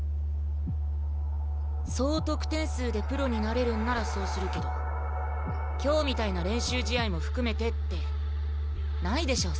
総得点数でプロになれるんならそうするけど今日みたいな練習試合も含めてってないでしょ